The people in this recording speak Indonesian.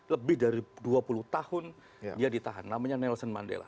lebih dari dua puluh tahun dia ditahan namanya nelson mandela